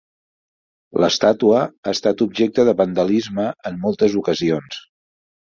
L'estàtua ha estat objecte de vandalisme en moltes ocasions.